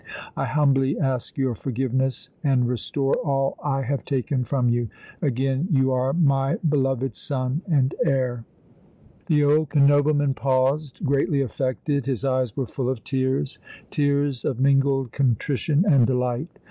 I humbly ask your forgiveness and restore all I have taken from you. Again you are my beloved son and heir." The old nobleman paused, greatly affected; his eyes were full of tears, tears of mingled contrition and delight.